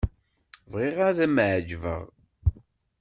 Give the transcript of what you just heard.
Bɣiɣ ad m-εeǧbeɣ.